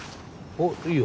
おっいいよ。